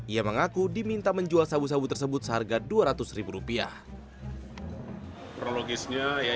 ia mengaku diminta menjual sabu sabu tersebut seharga dua ratus ribu rupiah